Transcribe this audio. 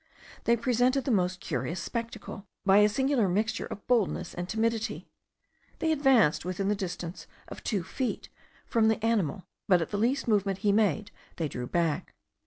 They presented the most curious spectacle, by a singular mixture of boldness and timidity. They advanced within the distance of two feet from the animal, but at the least movement he made they drew back.